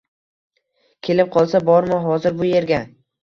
Kelib qolsa bormi hozir bu yerga?!